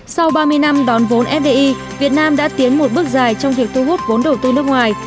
sau ba mươi năm đón vốn fdi việt nam đã tiến một bước dài trong việc thu hút vốn đầu tư nước ngoài